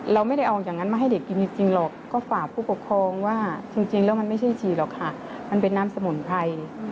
เราไม่ได้เอาอย่างนั้นมาให้เด็กกินจริงหรอกก็ฝากผู้ปกครองว่าจริงแล้วมันไม่ใช่ฉี่หรอกค่ะมันเป็นน้ำสมุนไพร